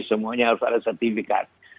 semuanya harus ada sertifikat